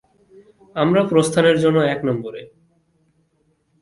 আমরা প্রস্থানের জন্য এক নম্বরে।